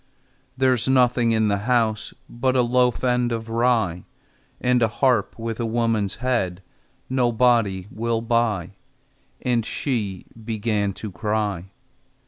"There's nothing in the house But a loaf end of rye, And a harp with a woman's head Nobody will buy," And she began to cry.